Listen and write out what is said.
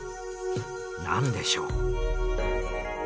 何でしょう？